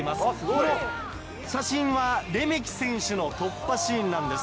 この写真は、レメキ選手の突破シーンなんです。